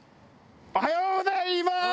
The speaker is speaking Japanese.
おはようございます！